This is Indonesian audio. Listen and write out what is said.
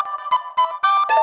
kau mau kemana